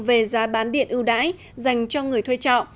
về giá bán điện ưu đãi dành cho người thuê trọ